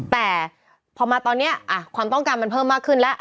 แต่พอมาตอนนี้ความต้องการมันเพิ่มมากขึ้นแล้ว